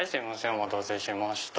お待たせしました。